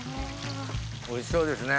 おいしそうですね。